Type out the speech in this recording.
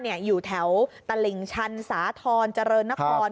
อยู่แถวตลิ่งชันสาธรณ์เจริญนคร